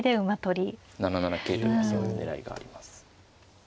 ７七桂というのはそういう狙いがあります。